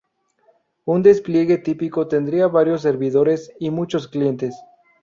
Un despliegue típico tendría varios servidores y muchos clientes.